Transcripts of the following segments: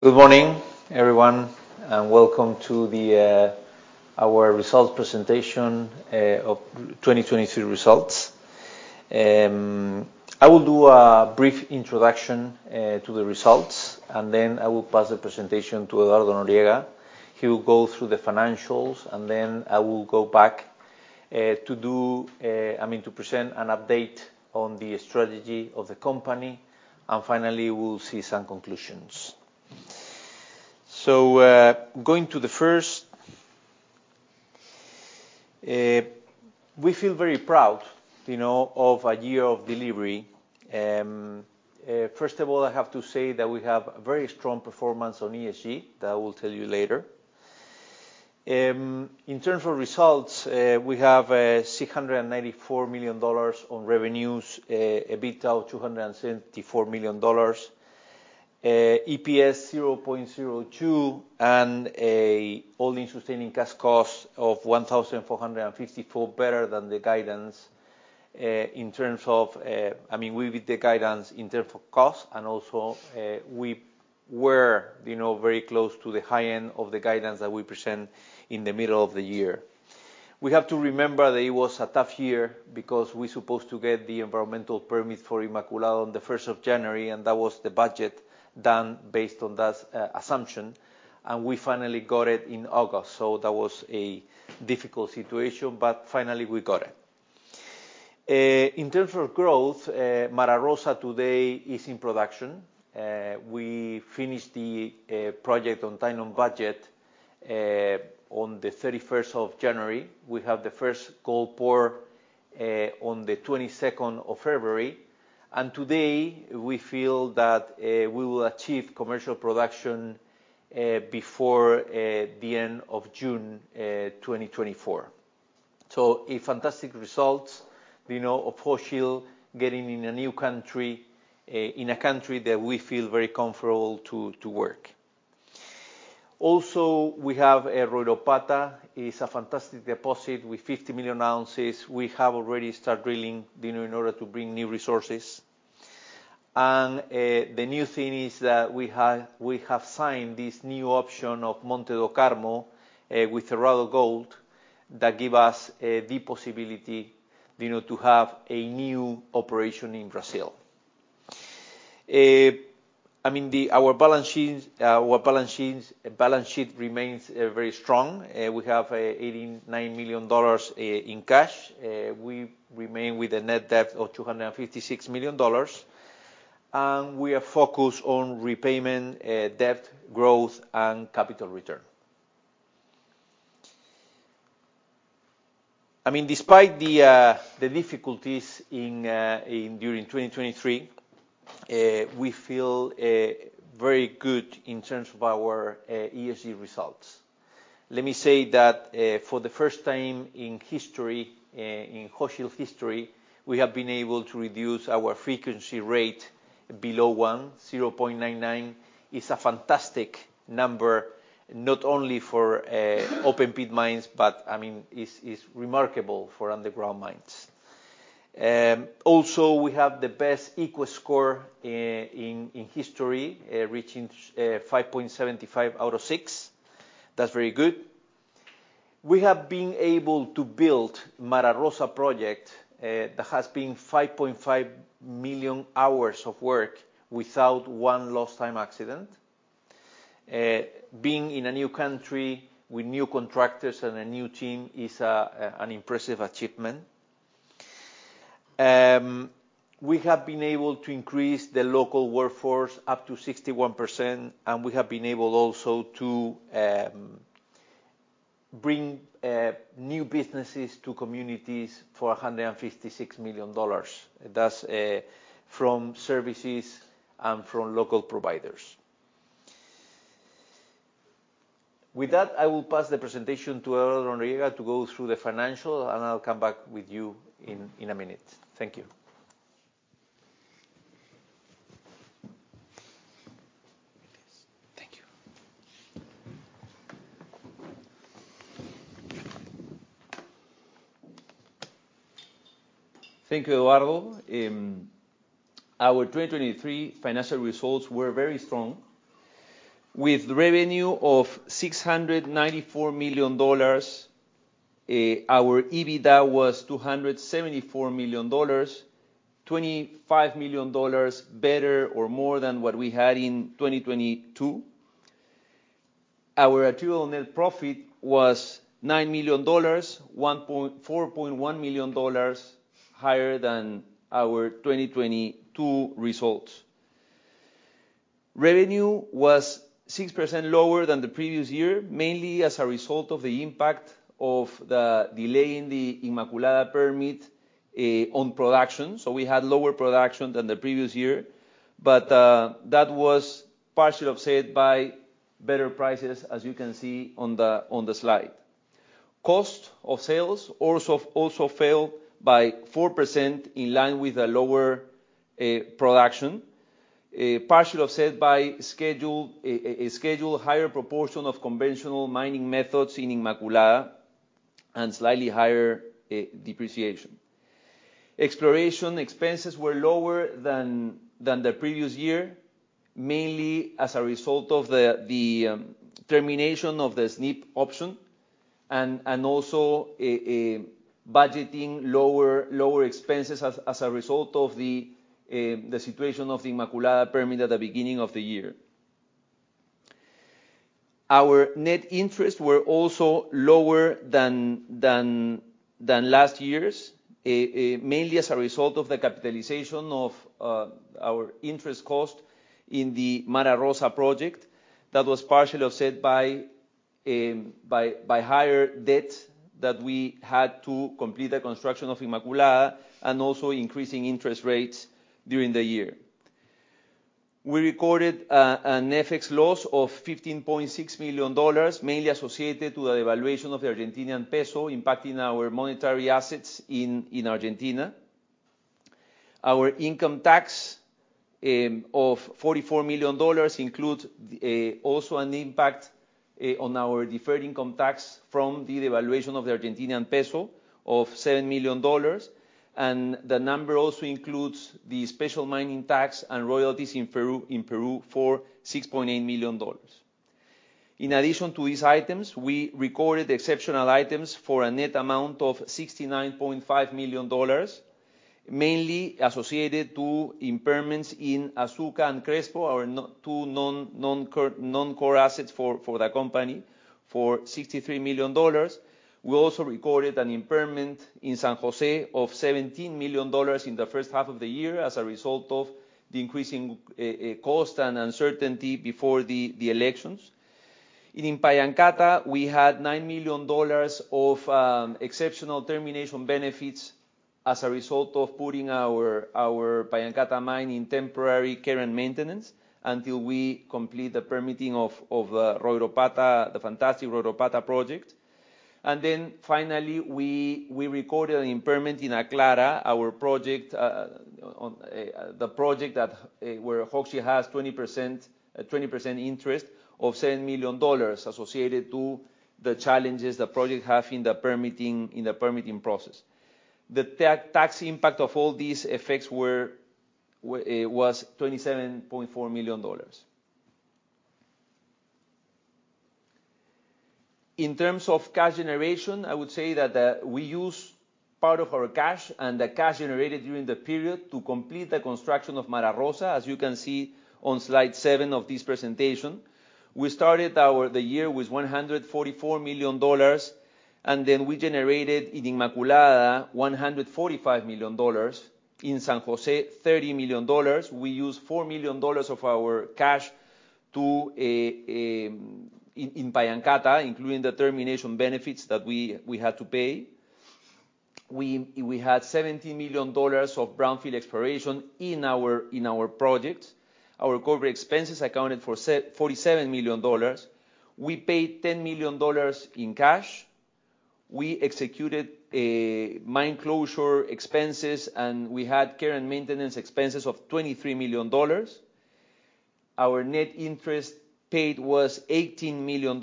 Good morning, everyone, and welcome to our results presentation of 2023 results. I will do a brief introduction to the results, and then I will pass the presentation to Eduardo Noriega. He will go through the financials, and then I will go back, to do, I mean, to present an update on the strategy of the company, and finally, we will see some conclusions. So, going to the first, we feel very proud, you know, of a year of delivery. First of all, I have to say that we have very strong performance on ESG, that I will tell you later. In terms of results, we have $694 million on revenues, EBITDA $274 million, EPS 0.02, and an all-in sustaining cash costs of $1,454, better than the guidance in terms of... I mean, we beat the guidance in terms of cost, and also, we were, you know, very close to the high end of the guidance that we present in the middle of the year. We have to remember that it was a tough year because we're supposed to get the environmental permit for Inmaculada on the 1st of January, and that was the budget done based on that assumption, and we finally got it in August. So that was a difficult situation, but finally, we got it. In terms of growth, Mara Rosa today is in production. We finished the project on time, on budget, on the 31st of January. We have the first gold pour on the 22nd of February, and today, we feel that we will achieve commercial production before the end of June 2024. So a fantastic result, you know, of Hochschild getting in a new country, in a country that we feel very comfortable to work. Also, we have Royropata. It's a fantastic deposit with 50 million ounces. We have already started drilling, you know, in order to bring new resources. The new thing is that we have signed this new option of Monte do Carmo with Royal Gold that give us the possibility, you know, to have a new operation in Brazil. I mean, our balance sheet remains very strong. We have $89 million in cash. We remain with a net debt of $256 million, and we are focused on repayment debt, growth, and capital return. I mean, despite the difficulties in during 2023, we feel very good in terms of our ESG results. Let me say that, for the first time in history, in Hochschild history, we have been able to reduce our frequency rate below one, 0.99. It's a fantastic number, not only for open-pit mines, but, I mean, it's remarkable for underground mines. Also, we have the best ESG score in history reaching 5.75 out of 6. That's very good. We have been able to build Mara Rosa project that has been 5.5 million hours of work without 1 lost time accident. Being in a new country with new contractors and a new team is an impressive achievement. We have been able to increase the local workforce up to 61%, and we have been able also to bring new businesses to communities for $156 million. That's from services and from local providers. With that, I will pass the presentation to Eduardo Noriega to go through the financial, and I'll come back with you in a minute. Thank you. Thank you. Thank you, Eduardo. Our 2023 financial results were very strong. With revenue of $694 million, our EBITDA was $274 million, $25 million better or more than what we had in 2022. Our actual net profit was $9 million, $4.1 million higher than our 2022 results. Revenue was 6% lower than the previous year, mainly as a result of the impact of the delay in the Inmaculada permit, on production, so we had lower production than the previous year. But, that was partially offset by better prices, as you can see on the, on the slide. Cost of sales also fell by 4% in line with a lower production, partially offset by scheduled higher proportion of conventional mining methods in Inmaculada, and slightly higher depreciation. Exploration expenses were lower than the previous year, mainly as a result of the termination of the Snip option, and also budgeting lower expenses as a result of the situation of the Inmaculada permit at the beginning of the year. Our net interest were also lower than last year's, mainly as a result of the capitalization of our interest cost in the Mara Rosa project. That was partially offset by higher debt that we had to complete the construction of Inmaculada, and also increasing interest rates during the year. We recorded an FX loss of $15.6 million, mainly associated to the evaluation of the Argentine peso impacting our monetary assets in Argentina. Our income tax of $44 million includes also an impact on our deferred income tax from the devaluation of the Argentine peso of $7 million. The number also includes the special mining tax and royalties in Peru for $6.8 million. In addition to these items, we recorded exceptional items for a net amount of $69.5 million, mainly associated to impairments in Azuca and Crespo, our two non-core assets for the company for $63 million. We also recorded an impairment in San Jose of $17 million in the first half of the year, as a result of the increasing cost and uncertainty before the elections. And in Pallancata, we had $9 million of exceptional termination benefits as a result of putting our Pallancata mine in temporary care and maintenance, until we complete the permitting of Royropata, the fantastic Royropata project. Then finally, we recorded an impairment in Aclara, our project, on the project that where Hochschild has 20%, a 20% interest of $7 million, associated to the challenges the project have in the permitting process. The tax impact of all these effects was $27.4 million. In terms of cash generation, I would say that we used part of our cash and the cash generated during the period to complete the construction of Mara Rosa, as you can see on slide 7 of this presentation. We started the year with $144 million, and then we generated in Inmaculada $145 million, in San Jose $30 million. We used $4 million of our cash to in Pallancata, including the termination benefits that we had to pay. We had $17 million of brownfield exploration in our projects. Our corporate expenses accounted for $47 million. We paid $10 million in cash. We executed mine closure expenses, and we had care and maintenance expenses of $23 million. Our net interest paid was $18 million.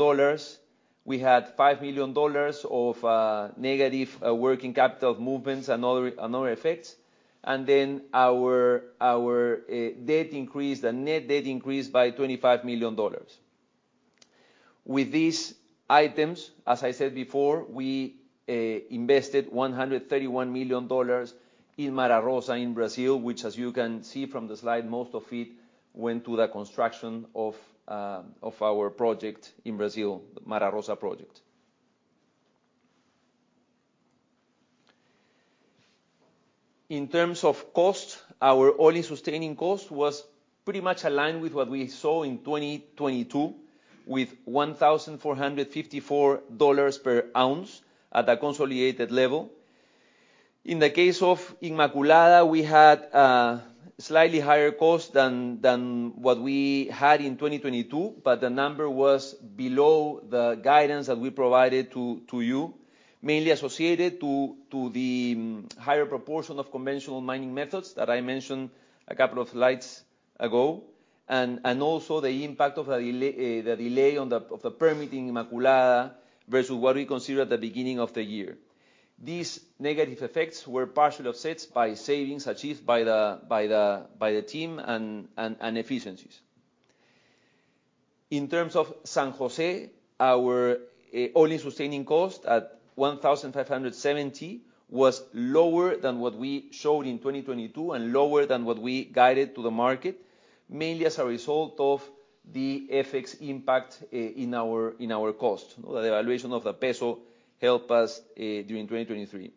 We had $5 million of negative working capital movements and other effects. And then our debt increased, the net debt increased by $25 million. With these items, as I said before, we invested $131 million in Mara Rosa in Brazil, which, as you can see from the slide, most of it went to the construction of our project in Brazil, the Mara Rosa project. In terms of cost, our all-in sustaining cost was pretty much aligned with what we saw in 2022, with $1,454 per ounce at a consolidated level. In the case of Inmaculada, we had slightly higher cost than what we had in 2022, but the number was below the guidance that we provided to you, mainly associated to the higher proportion of conventional mining methods that I mentioned a couple of slides ago, and also the impact of the delay of the permitting Inmaculada versus what we considered at the beginning of the year. These negative effects were partially offset by savings achieved by the team, and efficiencies. In terms of San Jose, our all-in sustaining cost at $1,570 was lower than what we showed in 2022 and lower than what we guided to the market, mainly as a result of the FX impact in our cost. The devaluation of the peso helped us during 2023.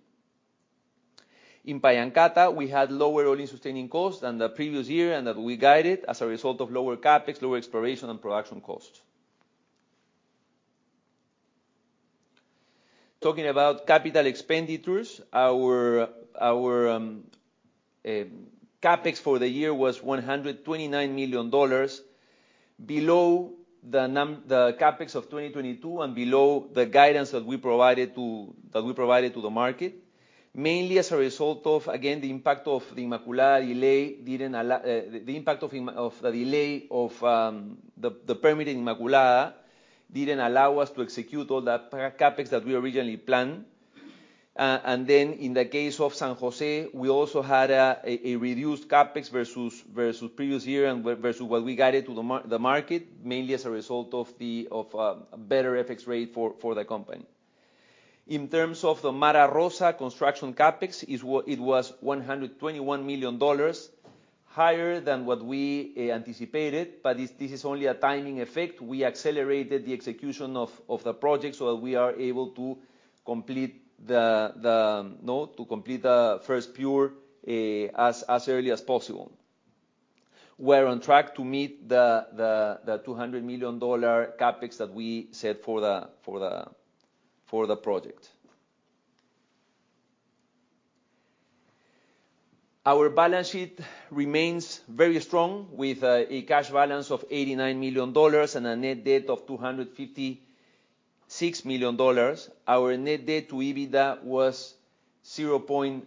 In Pallancata, we had lower all-in sustaining costs than the previous year, and that we guided as a result of lower CapEx, lower exploration, and production costs. Talking about capital expenditures, our CapEx for the year was $129 million, below the CapEx of 2022, and below the guidance that we provided to the market, mainly as a result of, again, the impact of the delay of the permitting Inmaculada didn't allow us to execute all the CapEx that we originally planned. And then in the case of San Jose, we also had a reduced CapEx versus previous year and versus what we guided to the market, mainly as a result of the better FX rate for the company. In terms of the Mara Rosa construction CapEx, it was $121 million, higher than what we anticipated, but this is only a timing effect. We accelerated the execution of the project so that we are able to complete the first pour as early as possible. We're on track to meet the $200 million CapEx that we set for the project. Our balance sheet remains very strong, with a cash balance of $89 million and a net debt of $256 million. Our net debt to EBITDA was 0.7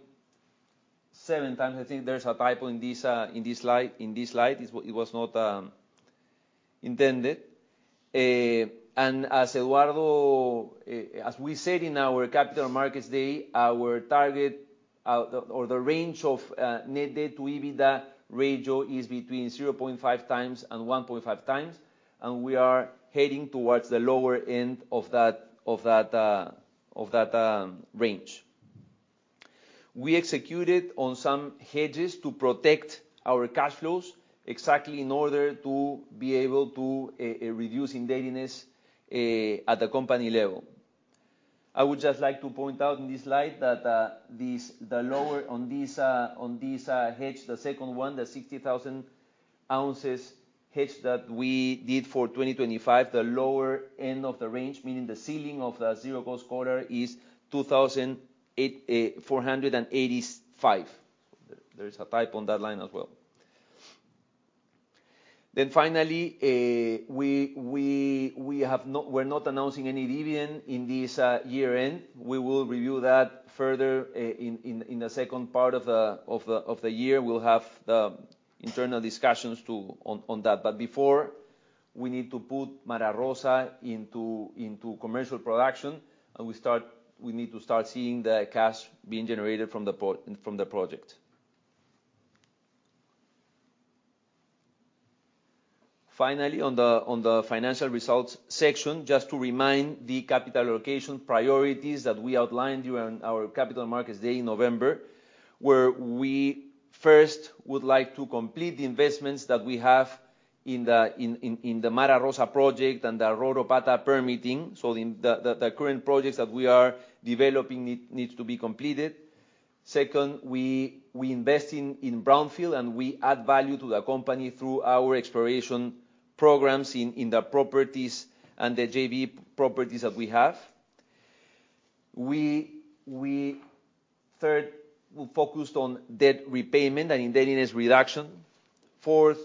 times. I think there's a typo in this slide. It was not intended. And as Eduardo, as we said in our Capital Markets Day, our target, the range of net debt to EBITDA ratio is between 0.5x and 1.5x, and we are heading towards the lower end of that range. We executed on some hedges to protect our cash flows, exactly in order to be able to reduce indebtedness at the company level. I would just like to point out in this slide that the lower on this hedge, the second one, the 60,000 ounces hedge that we did for 2025, the lower end of the range, meaning the ceiling of the zero cost collar, is $2,008.485. There is a typo on that line as well. Then finally, we have not—we're not announcing any dividend in this year-end. We will review that further in the second part of the year. We'll have the internal discussions on that. But before, we need to put Mara Rosa into commercial production, and we need to start seeing the cash being generated from the project. Finally, on the financial results section, just to remind the capital allocation priorities that we outlined during our Capital Markets Day in November, where we first would like to complete the investments that we have in the Mara Rosa project and the Royropata permitting, so the current projects that we are developing needs to be completed. Second, we invest in brownfield, and we add value to the company through our exploration programs in the properties and the JV properties that we have. Third, we focused on debt repayment and indebtedness reduction. Fourth,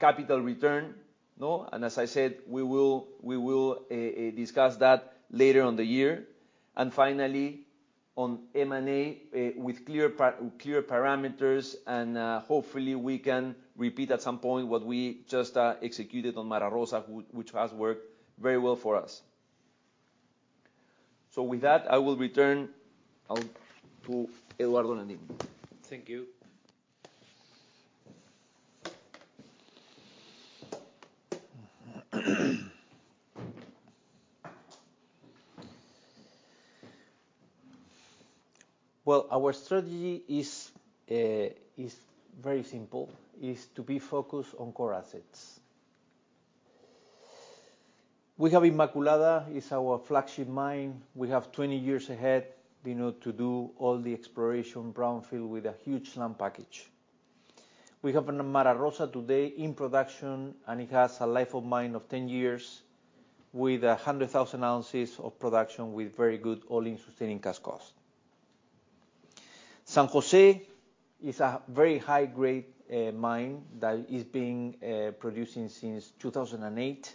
capital return, no? And as I said, we will discuss that later on the year. And finally, on M&A, with clear parameters, and hopefully, we can repeat at some point what we just executed on Mara Rosa, which has worked very well for us. So with that, I will return to Eduardo and Annie. Thank you. Well, our strategy is very simple, is to be focused on core assets. We have Inmaculada, it's our flagship mine. We have 20 years ahead, you know, to do all the exploration, brownfield, with a huge land package. We have Mara Rosa today in production, and it has a life of mine of 10 years, with 100,000 ounces of production, with very good all-in sustaining cash cost. San Jose is a very high-grade mine that is being producing since 2008.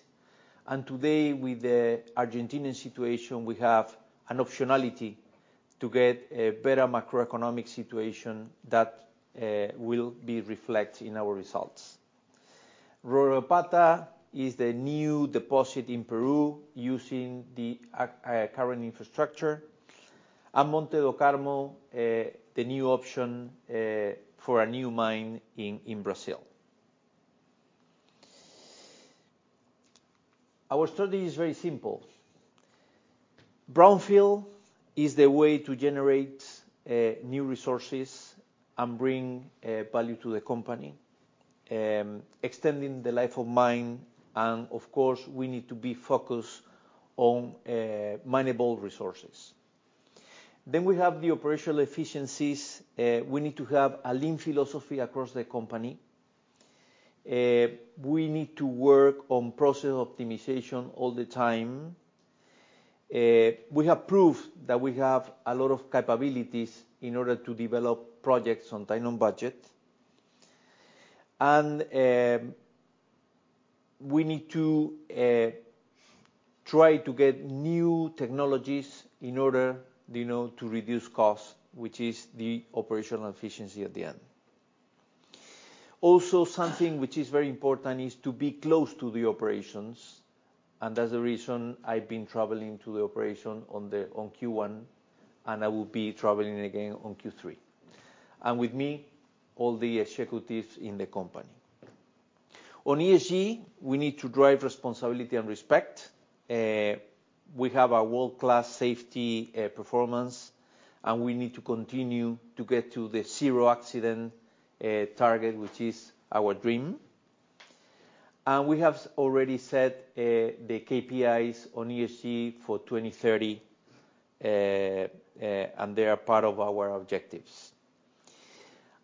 And today, with the Argentinian situation, we have an optionality to get a better macroeconomic situation that will be reflect in our results. Royropata is the new deposit in Peru, using the current infrastructure. And Monte do Carmo, the new option, for a new mine in Brazil. Our strategy is very simple. Brownfield is the way to generate new resources and bring value to the company, extending the life of mine, and of course, we need to be focused on minable resources. Then we have the operational efficiencies. We need to have a lean philosophy across the company. We need to work on process optimization all the time. We have proof that we have a lot of capabilities in order to develop projects on time, on budget. And we need to try to get new technologies in order, you know, to reduce cost, which is the operational efficiency at the end. Also, something which is very important is to be close to the operations, and that's the reason I've been traveling to the operation on Q1, and I will be traveling again on Q3, and with me, all the executives in the company. On ESG, we need to drive responsibility and respect. We have a world-class safety performance, and we need to continue to get to the zero accident target, which is our dream. And we have already set the KPIs on ESG for 2030, and they are part of our objectives.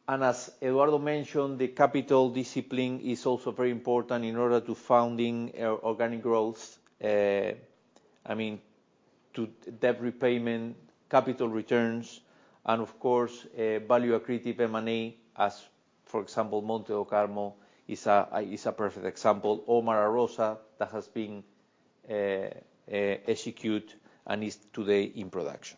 As Eduardo mentioned, the capital discipline is also very important in order to funding organic growth, I mean, to debt repayment, capital returns, and of course, a value-accretive M&A, as for example, Monte do Carmo is a perfect example, or Mara Rosa, that has been execute and is today in production.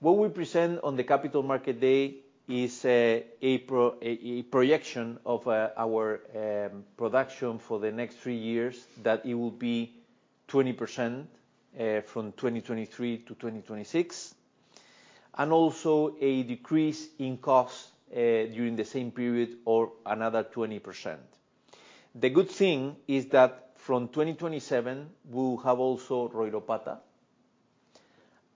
What we present on the Capital Markets Day is a projection of our production for the next three years, that it will be 20% from 2023 to 2026, and also a decrease in costs during the same period or another 20%. The good thing is that from 2027, we'll have also Royropata,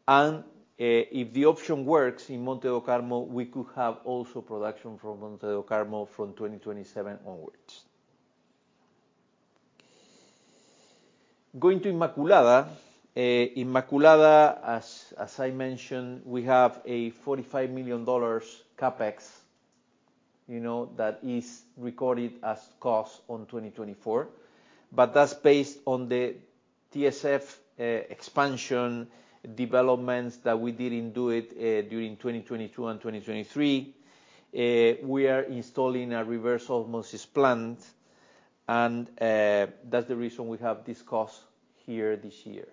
and if the option works in Monte do Carmo, we could have also production from Monte do Carmo from 2027 onwards. Going to Inmaculada, as I mentioned, we have a $45 million CapEx, you know, that is recorded as cost on 2024. But that's based on the TSF expansion developments that we didn't do it during 2022 and 2023. We are installing a reverse osmosis plant, and that's the reason we have this cost here this year.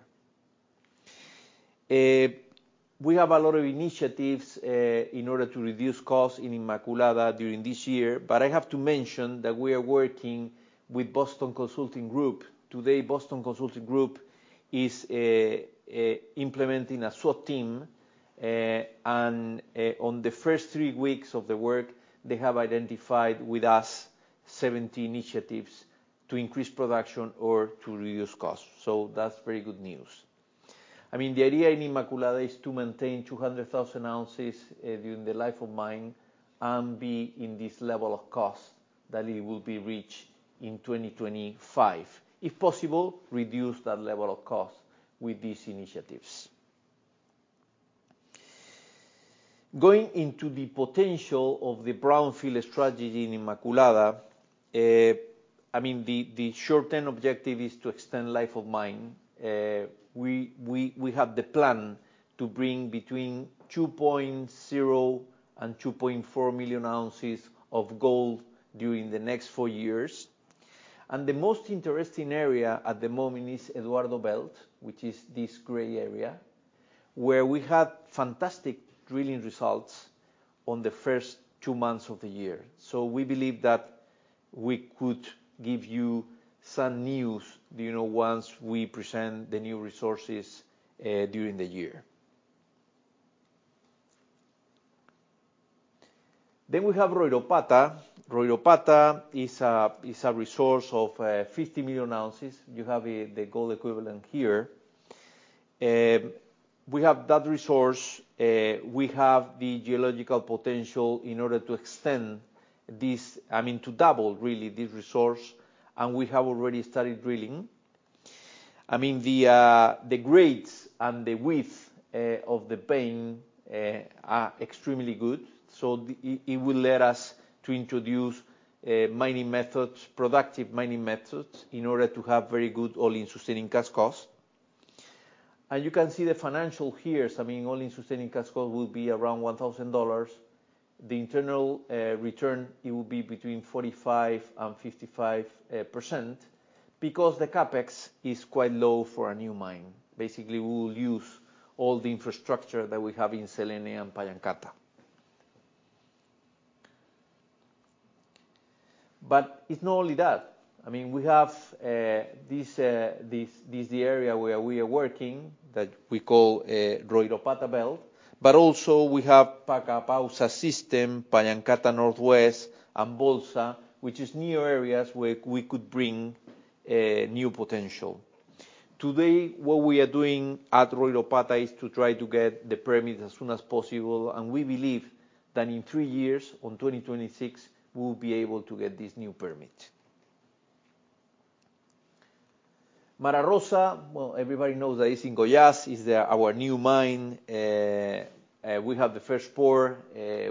We have a lot of initiatives in order to reduce costs in Inmaculada during this year, but I have to mention that we are working with Boston Consulting Group. Today, Boston Consulting Group is implementing a SWAT team, and on the first three weeks of the work, they have identified with us 70 initiatives to increase production or to reduce costs. So that's very good news. I mean, the idea in Inmaculada is to maintain 200,000 ounces during the life of mine, and be in this level of cost that it will be reached in 2025. If possible, reduce that level of cost with these initiatives. Going into the potential of the brownfield strategy in Inmaculada, I mean, the short-term objective is to extend life of mine. We have the plan to bring between 2.0 and 2.4 million ounces of gold during the next four years, and the most interesting area at the moment is Eduardo Belt, which is this gray area, where we had fantastic drilling results on the first two months of the year. So we believe that we could give you some news, you know, once we present the new resources during the year. Then we have Royropata. Royropata is a resource of 50 million ounces. You have the gold equivalent here. We have that resource. We have the geological potential in order to extend this, I mean, to double, really, this resource, and we have already started drilling. I mean, the grades and the width of the vein are extremely good, so it will lead us to introduce mining methods, productive mining methods, in order to have very good all-in sustaining cash costs. And you can see the financial here. So meaning, all-in sustaining cash cost will be around $1,000. The internal return, it will be between 45%-55%, because the CapEx is quite low for a new mine. Basically, we will use all the infrastructure that we have in Selene and Pallancata. But it's not only that, I mean, we have this the area where we are working, that we call Royropata Belt, but also we have Pacapausa System, Pallancata Northwest, and Bolsa, which is new areas where we could bring new potential. Today, what we are doing at Royropata is to try to get the permit as soon as possible, and we believe that in three years, on 2026, we will be able to get this new permit. Mara Rosa, well, everybody knows that is in Goiás, is our new mine. We have the first pour.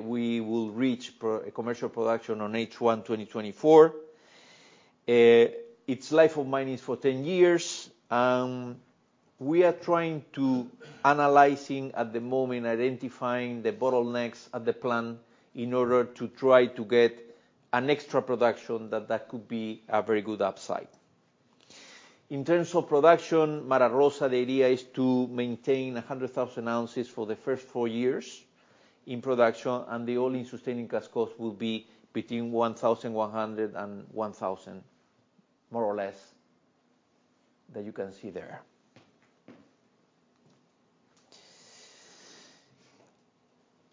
We will reach pre-commercial production on H1 2024. Its life of mine is for 10 years. We are trying to analyzing at the moment, identifying the bottlenecks at the plant in order to try to get an extra production, that could be a very good upside. In terms of production, Mara Rosa, the idea is to maintain 100,000 ounces for the first four years in production, and the all-in sustaining cost will be between $1,100 and $1,000, more or less, that you can see there.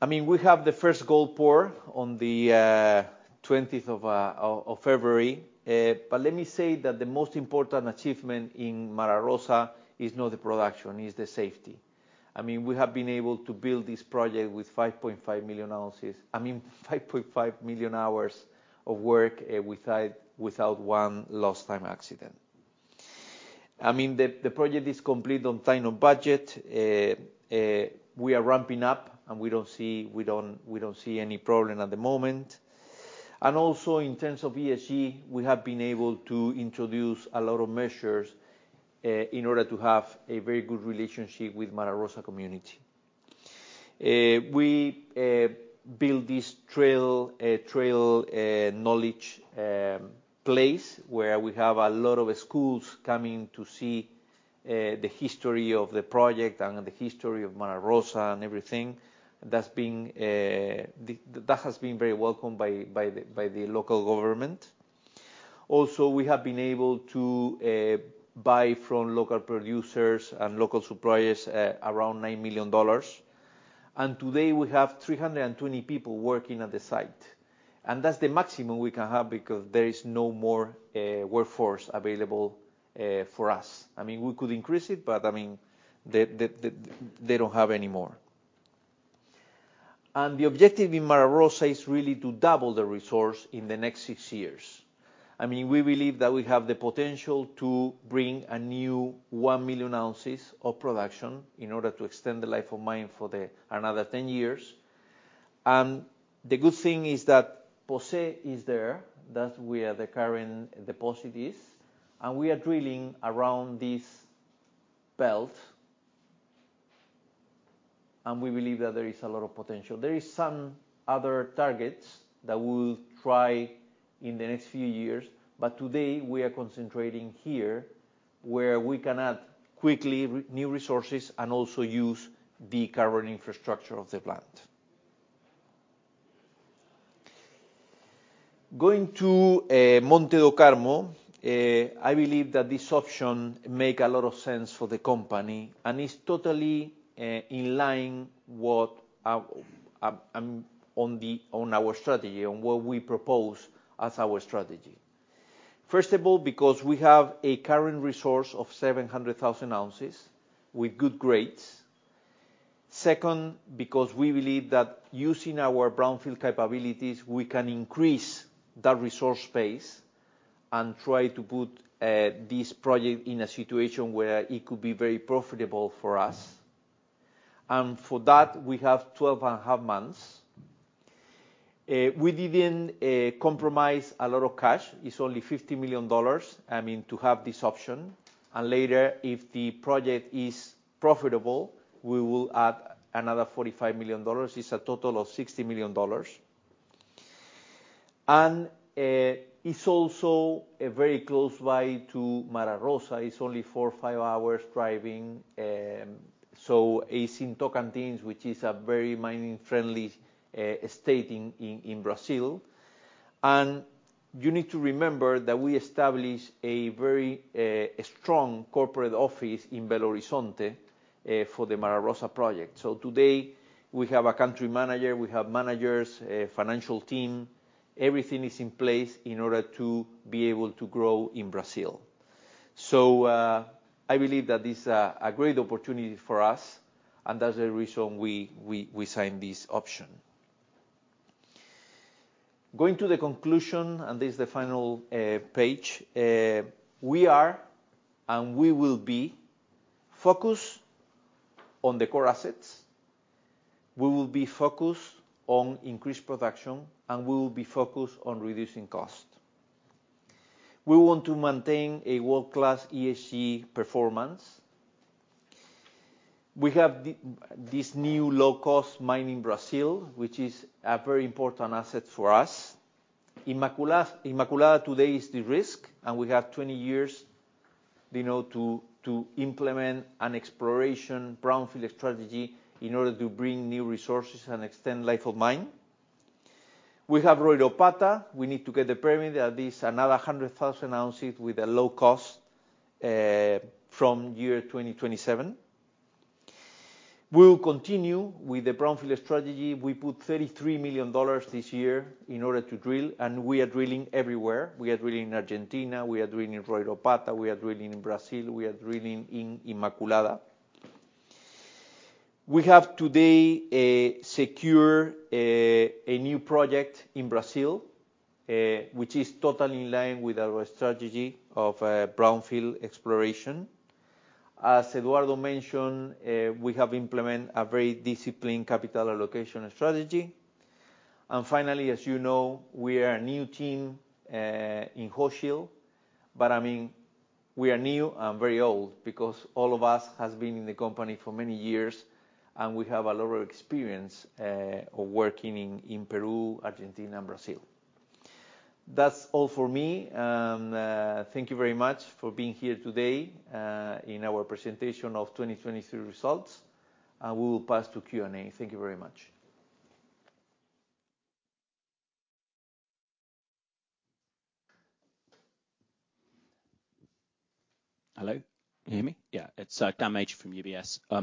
I mean, we have the first gold pour on the twentieth of February. But let me say that the most important achievement in Mara Rosa is not the production, it's the safety. I mean, we have been able to build this project with 5.5 million ounces, I mean, 5.5 million hours of work, without one lost time accident. I mean, the project is complete on time and budget. We are ramping up, and we don't see any problem at the moment. Also, in terms of ESG, we have been able to introduce a lot of measures in order to have a very good relationship with Mara Rosa community. We build this trail knowledge place, where we have a lot of schools coming to see the history of the project and the history of Mara Rosa and everything. That's been that has been very welcomed by the local government. Also, we have been able to buy from local producers and local suppliers around $9 million. Today, we have 320 people working at the site, and that's the maximum we can have because there is no more workforce available for us. I mean, we could increase it, but I mean, they don't have any more. The objective in Mara Rosa is really to double the resource in the next 6 years. I mean, we believe that we have the potential to bring a new 1 million ounces of production in order to extend the life of mine for another 10 years. The good thing is that Posse is there. That's where the current deposit is, and we are drilling around this belt, and we believe that there is a lot of potential. There is some other targets that we'll try in the next few years, but today we are concentrating here, where we can add quickly our new resources and also use the current infrastructure of the plant. Going to Monte Do Carmo, I believe that this option make a lot of sense for the company, and it's totally in line with what our strategy is, on what we propose as our strategy. First of all, because we have a current resource of 700,000 ounces with good grades. Second, because we believe that using our brownfield capabilities, we can increase the resource base and try to put this project in a situation where it could be very profitable for us, and for that, we have 12.5 months. We didn't compromise a lot of cash. It's only $50 million, I mean, to have this option, and later, if the project is profitable, we will add another $45 million. It's a total of $60 million. And, it's also a very close by to Mara Rosa. It's only 4-5 hours driving. So it's in Tocantins, which is a very mining-friendly state in Brazil. And you need to remember that we established a very strong corporate office in Belo Horizonte for the Mara Rosa project. So today, we have a country manager, we have managers, a financial team. Everything is in place in order to be able to grow in Brazil. So, I believe that this a great opportunity for us, and that's the reason we signed this option. Going to the conclusion, and this is the final page. We are and we will be focused on the core assets. We will be focused on increased production, and we will be focused on reducing cost. We want to maintain a world-class ESG performance. We have this new low-cost mine in Brazil, which is a very important asset for us. Inmaculada today is de-risk, and we have 20 years, you know, to implement an exploration brownfield strategy in order to bring new resources and extend life of mine. We have Royropata. We need to get the permit. There is another 100,000 ounces with a low cost from year 2027. We will continue with the brownfield strategy. We put $33 million this year in order to drill, and we are drilling everywhere. We are drilling in Argentina. We are drilling in Royropata. We are drilling in Brazil. We are drilling in Inmaculada. We have, today, a secure, a new project in Brazil, which is totally in line with our strategy of, brownfield exploration. As Eduardo mentioned, we have implemented a very disciplined capital allocation strategy. And finally, as you know, we are a new team, in Hochschild, but, I mean, we are new and very old, because all of us has been in the company for many years, and we have a lot of experience, of working in, Peru, Argentina, and Brazil. That's all for me. Thank you very much for being here today, in our presentation of 2023 results. And we will pass to Q&A. Thank you very much. Hello? Can you hear me? Yeah, it's Dan Major from UBS. Yeah,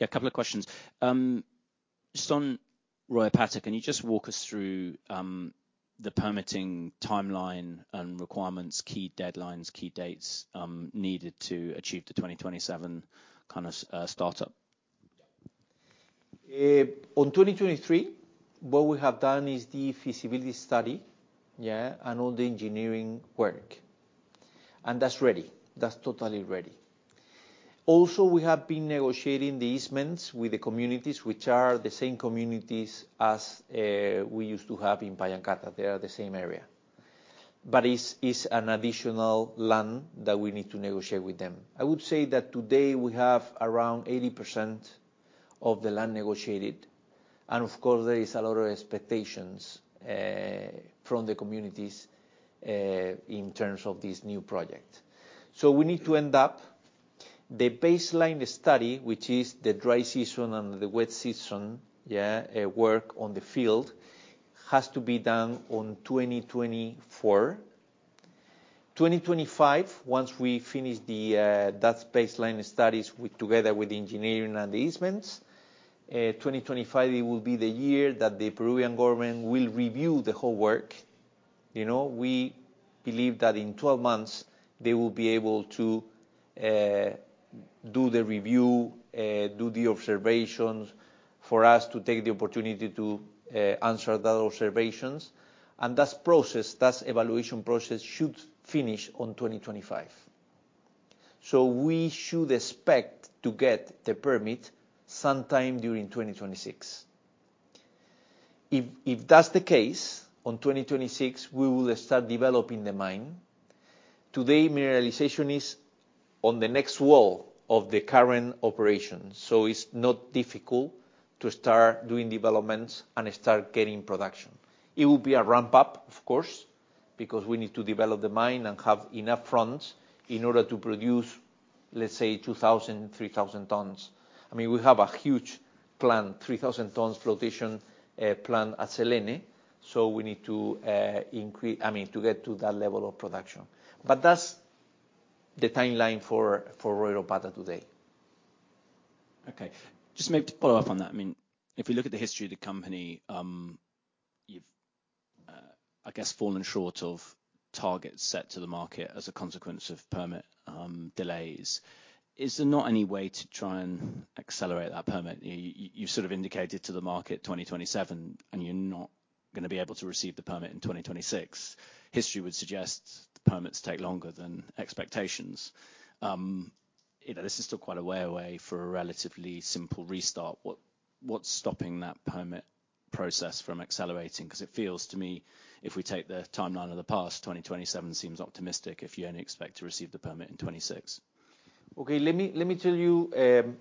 a couple of questions. Just on Royropata, can you just walk us through the permitting timeline and requirements, key deadlines, key dates needed to achieve the 2027 kind of startup? On 2023, what we have done is the feasibility study, yeah, and all the engineering work. And that's ready. That's totally ready. Also, we have been negotiating the easements with the communities, which are the same communities as we used to have in Pallancata. They are the same area. But it's an additional land that we need to negotiate with them. I would say that today we have around 80% of the land negotiated, and of course, there is a lot of expectations from the communities in terms of this new project. So we need to end up the baseline study, which is the dry season and the wet season, yeah, work on the field, has to be done on 2024. 2025, once we finish the baseline studies with, together with the engineering and the easements, 2025, it will be the year that the Peruvian government will review the whole work. You know, we believe that in 12 months, they will be able to do the review, do the observations, for us to take the opportunity to answer the observations. And that process, that evaluation process, should finish on 2025. So we should expect to get the permit sometime during 2026. If, if that's the case, on 2026, we will start developing the mine. Today, mineralization is on the next wall of the current operation, so it's not difficult to start doing developments and start getting production. It will be a ramp-up, of course, because we need to develop the mine and have enough fronts in order to produce, let's say 2,000-3,000 tons. I mean, we have a huge plant, 3,000 tons flotation plant at Selene, so we need to increase, I mean, to get to that level of production. But that's the timeline for Royropata today. Okay. Just maybe to follow up on that, I mean, if we look at the history of the company, you've, I guess, fallen short of targets set to the market as a consequence of permit delays. Is there not any way to try and accelerate that permit? You sort of indicated to the market 2027, and you're not gonna be able to receive the permit in 2026. History would suggest the permits take longer than expectations. You know, this is still quite a way away for a relatively simple restart. What's stopping that permit process from accelerating? 'Cause it feels to me, if we take the timeline of the past, 2027 seems optimistic if you only expect to receive the permit in 2026. Okay, let me tell you,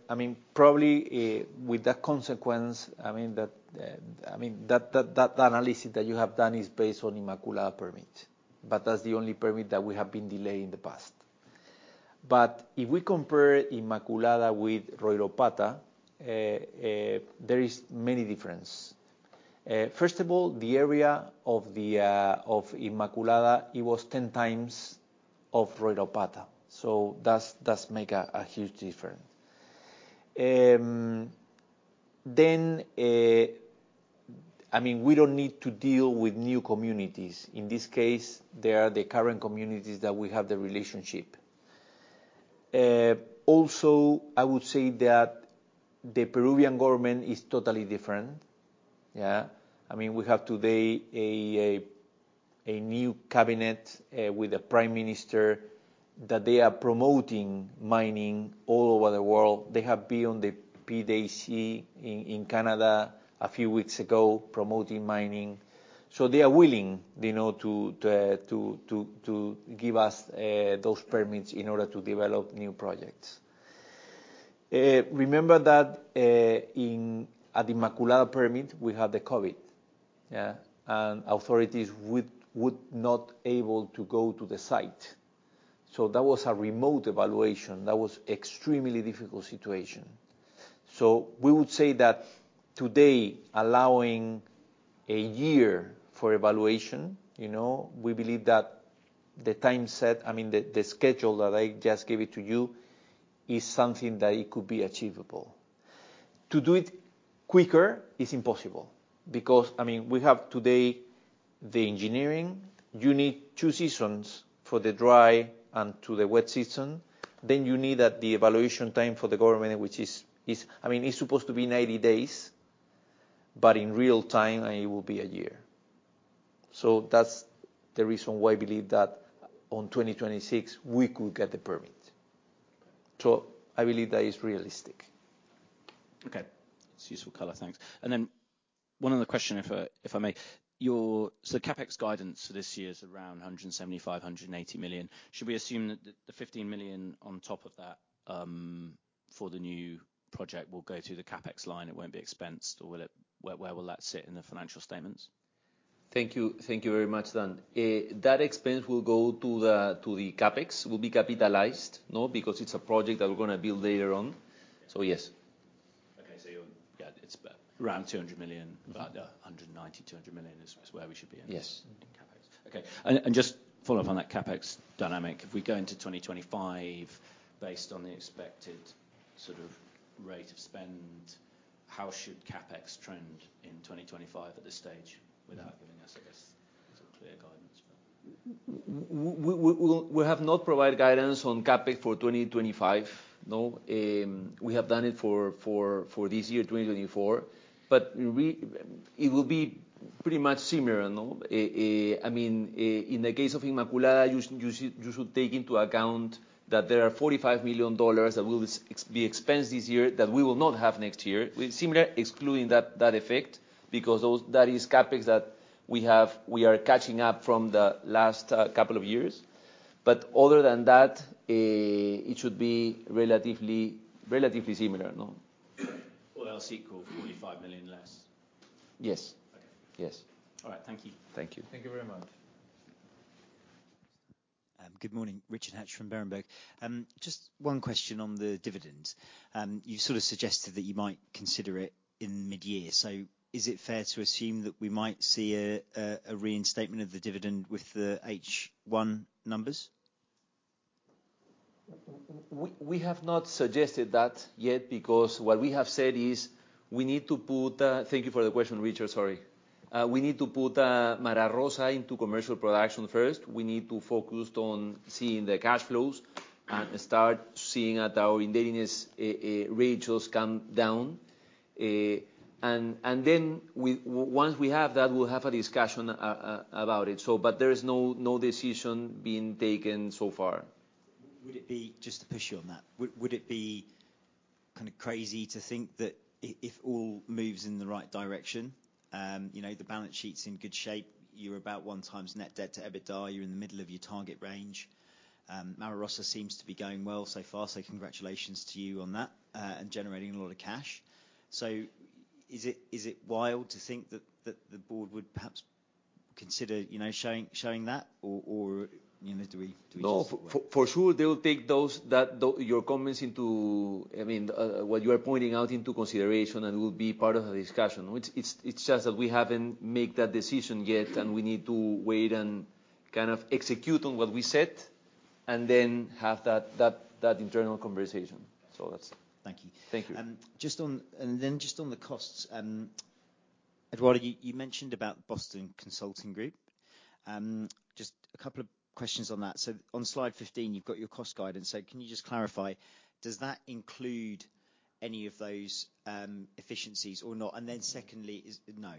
I mean, probably, with that consequence, I mean, that analysis that you have done is based on Inmaculada permit, but that's the only permit that we have been delayed in the past. But if we compare Inmaculada with Royropata, there is many difference. First of all, the area of Inmaculada, it was 10 times of Royropata, so that's make a huge difference. Then, I mean, we don't need to deal with new communities. In this case, they are the current communities that we have the relationship. Also, I would say that the Peruvian government is totally different. Yeah. I mean, we have today a new cabinet, with a prime minister, that they are promoting mining all over the world. They have been on the PDAC in Canada a few weeks ago, promoting mining. So they are willing, you know, to give us those permits in order to develop new projects. Remember that in at Inmaculada permit, we had the COVID, yeah, and authorities would not able to go to the site, so that was a remote evaluation. That was extremely difficult situation. So we would say that today, allowing a year for evaluation, you know, we believe that the time set, I mean, the schedule that I just gave it to you, is something that it could be achievable. To do it quicker is impossible because, I mean, we have today the engineering. You need two seasons, for the dry and to the wet season. Then you need that, the evaluation time for the government, which is, I mean, it's supposed to be 90 days, but in real-time, it will be a year. So that's the reason why I believe that on 2026, we could get the permit. So I believe that is realistic. Okay. It's useful color. Thanks. And then one other question, if I may. Your— So the CapEx guidance for this year is around $175 million-$180 million. Should we assume that the fifteen million on top of that for the new project will go through the CapEx line, it won't be expensed or will it? Where will that sit in the financial statements? Thank you. Thank you very much, Dan. That expense will go to the CapEx, will be capitalized, you know, because it's a project that we're gonna build later on. So, yes. Okay, so you've got, it's around $200 million, about $190-$200 million is where we should be? Yes. CapEx. Okay. And, and just follow up on that CapEx dynamic. If we go into 2025, based on the expected sort of rate of spend, how should CapEx trend in 2025 at this stage? Without giving us, I guess, some clear guidance for- We have not provided guidance on CapEx for 2025, no. We have done it for this year, 2024, but it will be pretty much similar, no? I mean, in the case of Inmaculada, you should take into account that there are $45 million that will be expensed this year, that we will not have next year. With similar, excluding that effect, because that is CapEx that we are catching up from the last couple of years. But other than that, it should be relatively similar, no. Or else equal $45 million less. Yes. Okay. Yes. All right. Thank you. Thank you. Thank you very much. Good morning, Richard Hatch from Berenberg. Just one question on the dividend. You sort of suggested that you might consider it in mid-year, so is it fair to assume that we might see a reinstatement of the dividend with the H1 numbers? We have not suggested that yet, because what we have said is, we need to put Mara Rosa into commercial production first. Thank you for the question, Richard, sorry. We need to put Mara Rosa into commercial production first. We need to focused on seeing the cash flows and start seeing that our indebtedness ratios come down, and then once we have that, we'll have a discussion about it. So but there is no, no decision being taken so far. Would it be? Just to push you on that, would it be kind of crazy to think that if all moves in the right direction, you know, the balance sheet's in good shape, you're about 1x net debt to EBITDA, you're in the middle of your target range, Mara Rosa seems to be going well so far, so congratulations to you on that, and generating a lot of cash. So is it wild to think that the board would perhaps consider, you know, showing that? Or, you know, do we, do we- No, for sure, they will take those, your comments into, I mean, what you are pointing out into consideration, and will be part of the discussion. It's just that we haven't make that decision yet, and we need to wait and kind of execute on what we said, and then have that internal conversation. So that's- Thank you. Thank you. Just on, and then just on the costs, Eduardo, you, you mentioned about Boston Consulting Group. Just a couple of questions on that. So on slide 15, you've got your cost guidance. So can you just clarify, does that include any of those, efficiencies or not? And then secondly, is-- No.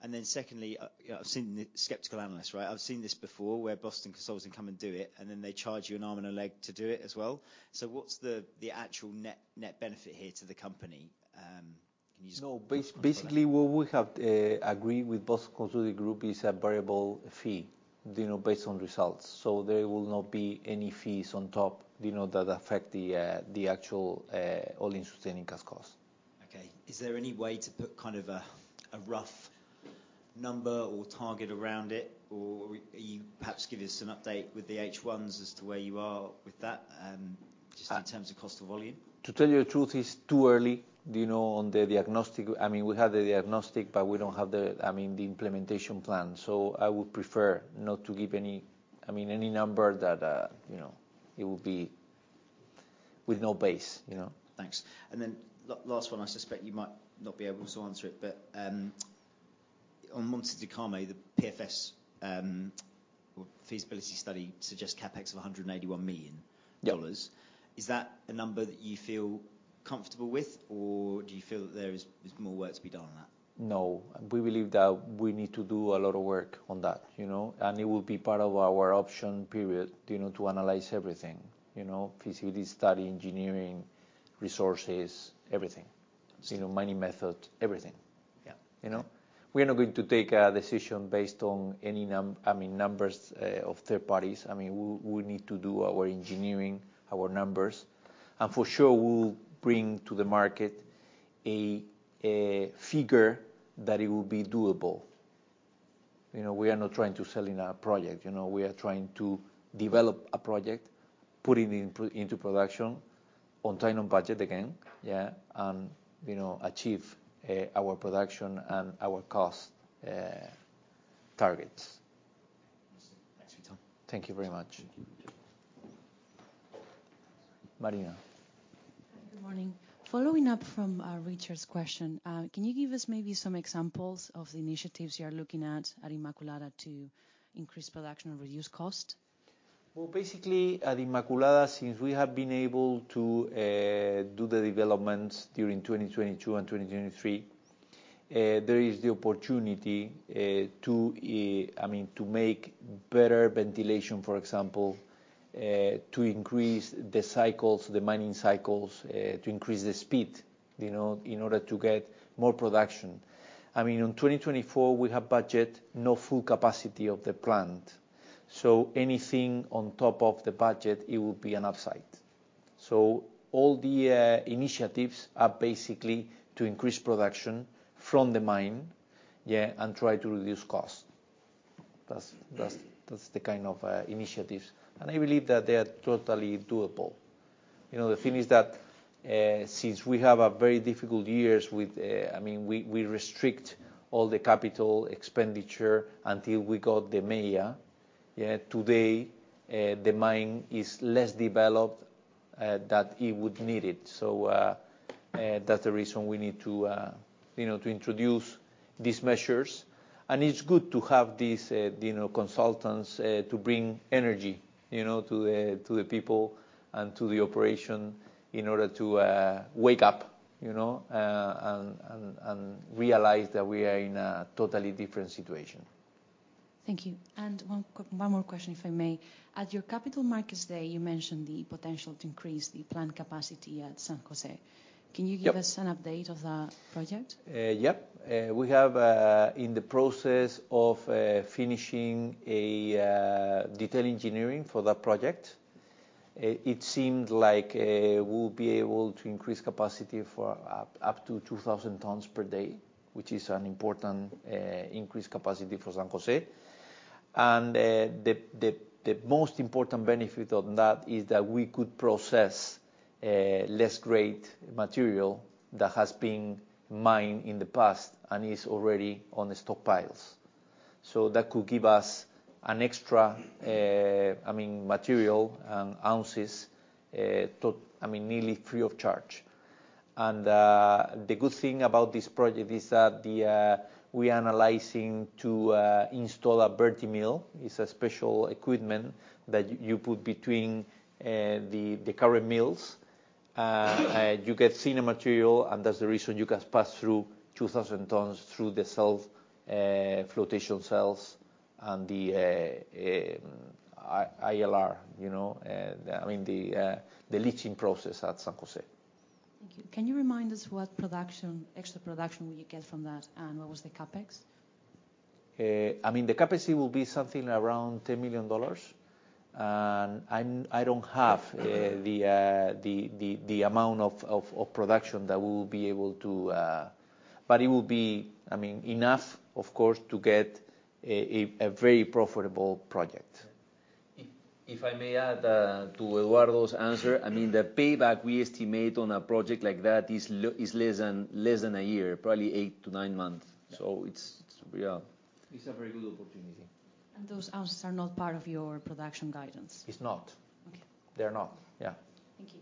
And then secondly, you know, I've seen the skeptical analyst, right? I've seen this before, where Boston Consulting come and do it, and then they charge you an arm and a leg to do it as well. So what's the, the actual net, net benefit here to the company? Can you just- No, basically, what we have agreed with Boston Consulting Group is a variable fee, you know, based on results. So there will not be any fees on top, you know, that affect the actual all-in sustaining cash costs. Okay. Is there any way to put kind of a, a rough number or target around it, or you perhaps give us an update with the H1s as to where you are with that, just in terms of cost to volume? To tell you the truth, it's too early, you know, on the diagnostic. I mean, we have the diagnostic, but we don't have the, I mean, the implementation plan. So I would prefer not to give any, I mean, any number that, you know, it will be with no base, you know? Thanks. And then last one, I suspect you might not be able to answer it, but on Monte do Carmo, the PFS or feasibility study suggests CapEx of $181 million. Yep. Is that a number that you feel comfortable with, or do you feel that there is more work to be done on that? No, we believe that we need to do a lot of work on that, you know, and it will be part of our option period, you know, to analyze everything. You know, feasibility study, engineering, resources, everything. So, you know, mining method, everything. Yeah. You know? We are not going to take a decision based on any numbers of third parties. I mean, we need to do our engineering, our numbers, and for sure we will bring to the market a figure that it will be doable. You know, we are not trying to sell in our project. You know, we are trying to develop a project, putting it into production, on time and budget again, yeah, and you know, achieve our production and our cost targets. Thanks, Ricardo. Thank you very much. Thank you. Marina? Good morning. Following up from Richard's question, can you give us maybe some examples of the initiatives you are looking at, at Inmaculada, to increase production and reduce cost? Well, basically, at Inmaculada, since we have been able to do the developments during 2022 and 2023, there is the opportunity, to, I mean, to make better ventilation, for example, to increase the cycles, the mining cycles, to increase the speed, you know, in order to get more production. I mean, on 2024, we have budget no full capacity of the plant.... so anything on top of the budget, it will be an upside. So all the initiatives are basically to increase production from the mine, yeah, and try to reduce cost. That's the kind of initiatives, and I believe that they are totally doable. You know, the thing is that, since we have had very difficult years with, I mean, we restricted all the capital expenditure until we got the MEIA. Yeah, today, the mine is less developed that it would need it. So, that's the reason we need to, you know, to introduce these measures. It's good to have these, you know, consultants to bring energy, you know, to the people and to the operation in order to wake up, you know, and realize that we are in a totally different situation. Thank you. And one more question, if I may. At your Capital Markets Day, you mentioned the potential to increase the plant capacity at San Jose. Yep. Can you give us an update of that project? Yep. We have in the process of finishing a detailed engineering for that project. It seemed like we'll be able to increase capacity for up to 2,000 tons per day, which is an important increased capacity for San Jose. And the most important benefit of that is that we could process less grade material that has been mined in the past and is already on the stockpiles. So that could give us an extra, I mean, material and ounces to, I mean, nearly free of charge. And the good thing about this project is that we analyzing to install a Vertimill. It's a special equipment that you put between the current mills. And you get thinner material, and that's the reason you can pass through 2,000 tons through the Selene flotation cells and the ILR, you know. I mean, the leaching process at San Jose. Thank you. Can you remind us what production, extra production will you get from that, and what was the CapEx? I mean, the capacity will be something around $10 million. And I'm, I don't have the amount of production that we will be able to... But it will be, I mean, enough, of course, to get a very profitable project. If I may add to Eduardo's answer, I mean, the payback we estimate on a project like that is less than a year, probably 8-9 months. So it's, yeah, it's a very good opportunity. Those answers are not part of your production guidance? It's not. Okay. They're not. Yeah. Thank you.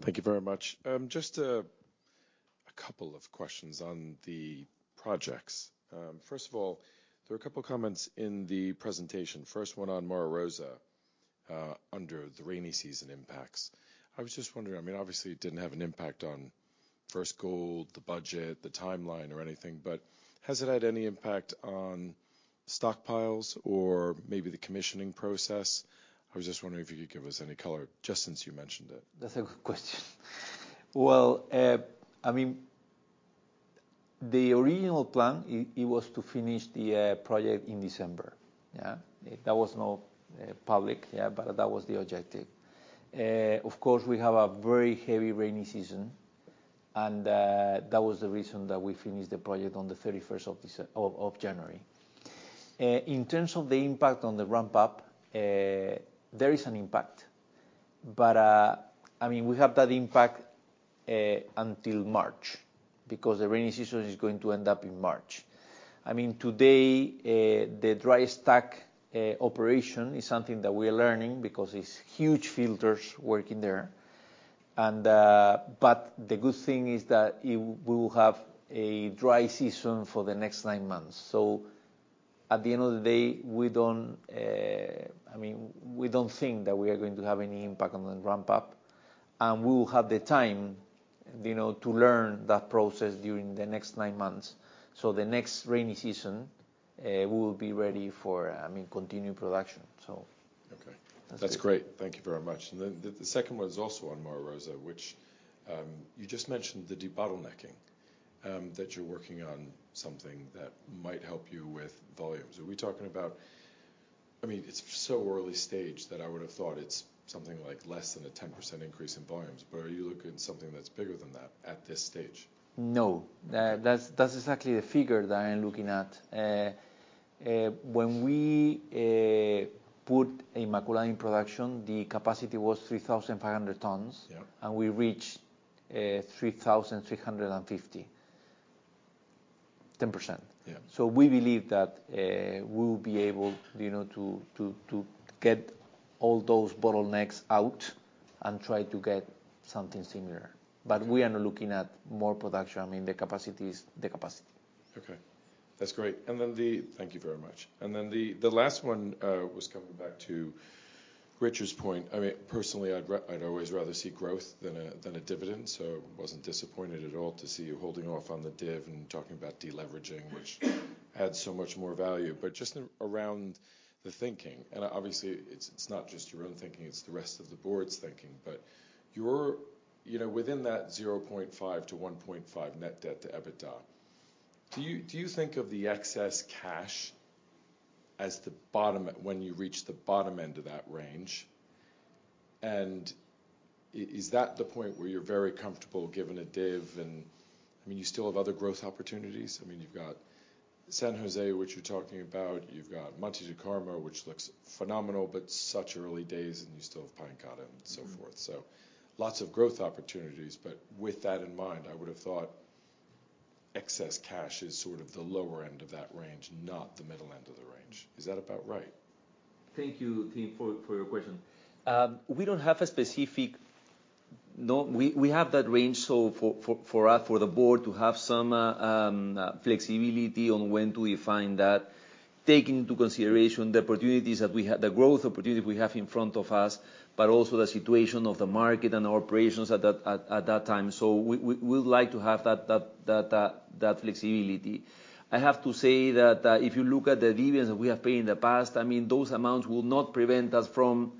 Thank you very much. Just, a couple of questions on the projects. First of all, there were a couple comments in the presentation. First one on Mara Rosa, under the rainy season impacts. I was just wondering, I mean, obviously it didn't have an impact on first gold, the budget, the timeline or anything, but has it had any impact on stockpiles or maybe the commissioning process? I was just wondering if you could give us any color, just since you mentioned it. That's a good question. Well, I mean, the original plan, it was to finish the project in December. Yeah? That was not public, yeah, but that was the objective. Of course, we have a very heavy rainy season, and that was the reason that we finished the project on the thirty-first of January. In terms of the impact on the ramp up, there is an impact, but I mean, we have that impact until March, because the rainy season is going to end up in March. I mean, today, the dry stack operation is something that we are learning because it's huge filters working there. And, but the good thing is that we will have a dry season for the next nine months. So at the end of the day, we don't, I mean, we don't think that we are going to have any impact on the ramp up. And we will have the time, you know, to learn that process during the next nine months. So the next rainy season, we will be ready for, I mean, continued production, so. Okay. That's it. That's great. Thank you very much. And then the, the second one is also on Mara Rosa, which, you just mentioned the de-bottlenecking, that you're working on, something that might help you with volumes. Are we talking about... I mean, it's so early stage that I would have thought it's something like less than a 10% increase in volumes, but are you looking at something that's bigger than that at this stage? No. That's exactly the figure that I am looking at. When we put Inmaculada in production, the capacity was 3,500 tons. Yeah. We reached 3,350. 10%. Yeah. So we believe that, we will be able to, you know, to get all those bottlenecks out and try to get something similar. But we are not looking at more production. I mean, the capacity is the capacity. Okay. That's great. And then the... Thank you very much. And then the, the last one, was coming back to Richard's point. I mean, personally, I'd always rather see growth than a dividend, so I wasn't disappointed at all to see you holding off on the div and talking about deleveraging, which adds so much more value. But just around the thinking, and obviously, it's, it's not just your own thinking, it's the rest of the board's thinking. But you're, you know, within that 0.5-1.5 net debt to EBITDA, do you, do you think of the excess cash as the bottom, when you reach the bottom end of that range, and is that the point where you're very comfortable giving a div and, I mean, you still have other growth opportunities? I mean, you've got San Jose, which you're talking about, you've got Monte do Carmo, which looks phenomenal, but such early days, and you still have Pallancata and so forth. So lots of growth opportunities, but with that in mind, I would have thought excess cash is sort of the lower end of that range, not the middle end of the range. Is that about right? Thank you, Tim, for your question. We don't have a specific—we have that range, so for us, for the board to have some flexibility on when do we find that, taking into consideration the opportunities that we have, the growth opportunities we have in front of us, but also the situation of the market and our operations at that time. So we would like to have that flexibility. I have to say that if you look at the dividends that we have paid in the past, I mean, those amounts will not prevent us from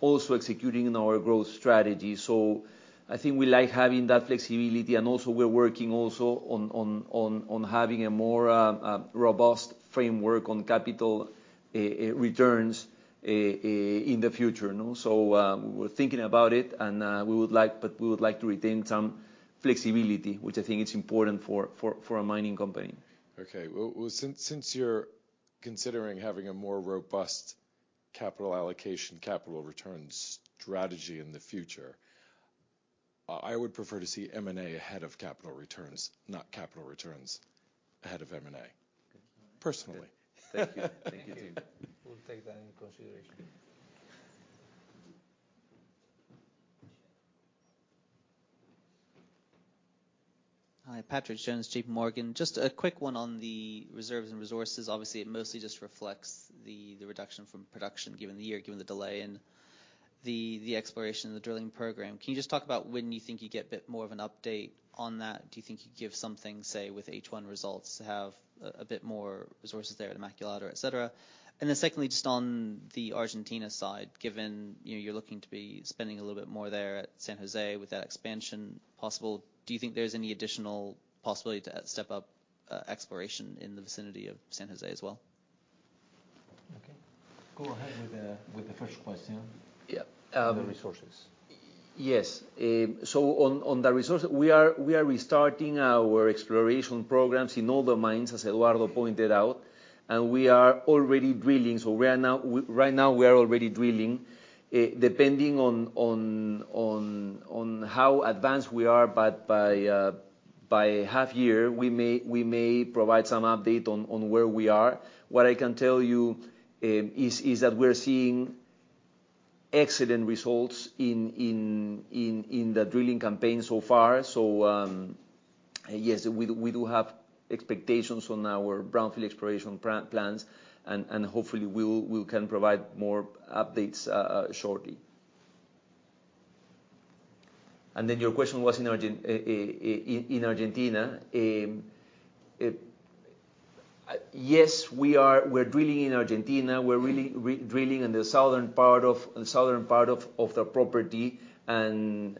also executing in our growth strategy. So I think we like having that flexibility, and also we're working also on having a more robust framework on capital returns in the future, you know? So we're thinking about it, and we would like, but we would like to retain some flexibility, which I think is important for a mining company. Okay. Well, since you're considering having a more robust capital allocation, capital returns strategy in the future, I would prefer to see M&A ahead of capital returns, not capital returns ahead of M&A- Okay. - personally. Thank you. Thank you, Tim. We'll take that into consideration. Hi, Patrick Jones, JP Morgan. Just a quick one on the reserves and resources. Obviously, it mostly just reflects the reduction from production, given the year, given the delay and the exploration and the drilling program. Can you just talk about when you think you'd get a bit more of an update on that? Do you think you'd give something, say, with H1 results, to have a bit more resources there at Inmaculada, et cetera? And then secondly, just on the Argentina side, given, you know, you're looking to be spending a little bit more there at San Jose with that expansion possible, do you think there's any additional possibility to step up exploration in the vicinity of San Jose as well? Okay. Go ahead with the first question. Yeah. The resources. Yes. So on the resource, we are restarting our exploration programs in all the mines, as Eduardo pointed out, and we are already drilling. So we are now right now, we are already drilling, depending on how advanced we are, but by half year, we may provide some update on where we are. What I can tell you is that we're seeing excellent results in the drilling campaign so far. So yes, we do have expectations on our brownfield exploration plans, and hopefully we can provide more updates shortly. And then your question was in Argentina. Yes, we are drilling in Argentina. We're really redrilling in the southern part of the property, and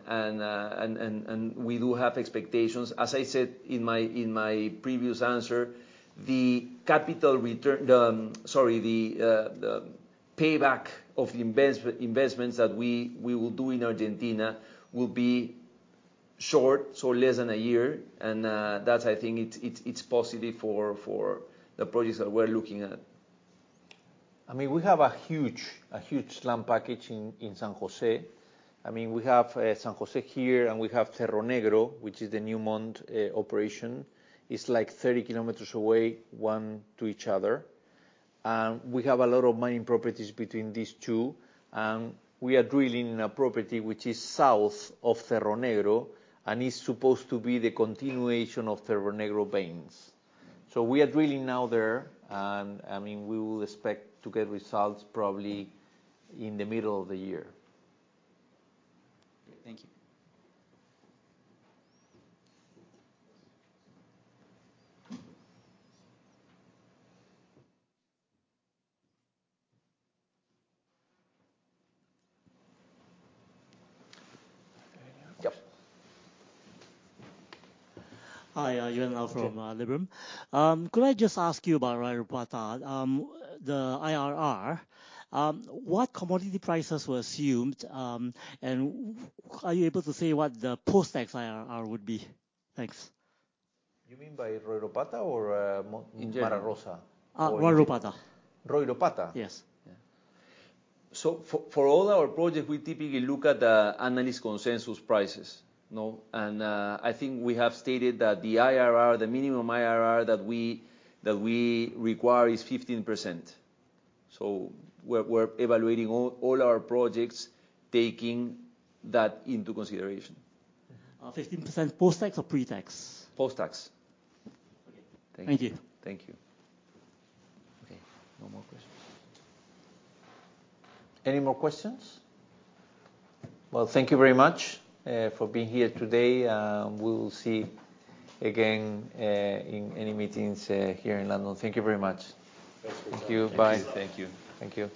we do have expectations. As I said in my previous answer, the payback of the investments that we will do in Argentina will be short, so less than a year. And that's, I think, positive for the projects that we're looking at. I mean, we have a huge land package in San Jose. I mean, we have San Jose here, and we have Cerro Negro, which is the Newmont operation. It's like 30 kilometers away, one to each other. We have a lot of mining properties between these two, and we are drilling in a property which is south of Cerro Negro, and it's supposed to be the continuation of Cerro Negro veins. So we are drilling now there, and, I mean, we will expect to get results probably in the middle of the year. Thank you. Yep. Hi, Yuan Low from Liberum. Could I just ask you about Royropata? The IRR, what commodity prices were assumed, and are you able to say what the post-tax IRR would be? Thanks. You mean by Royropata or, In general... Marosa? Uh, Royopata. Royropata? Yes. Yeah. So for all our projects, we typically look at the analyst consensus prices, you know? And I think we have stated that the IRR, the minimum IRR that we require is 15%. So we're evaluating all our projects, taking that into consideration. 15% post-tax or pre-tax? Post-tax. Okay. Thank you. Thank you. Thank you. Okay, no more questions. Any more questions? Well, thank you very much for being here today. We will see again in any meetings here in London. Thank you very much. Thanks. Thank you. Bye. Thank you. Thank you.